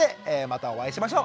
またお会いしましょう。